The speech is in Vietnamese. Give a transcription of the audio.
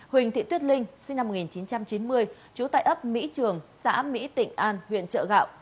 huỳnh thị tuyết linh sinh năm một nghìn chín trăm chín mươi trú tại ấp mỹ trường xã mỹ tịnh an huyện trợ gạo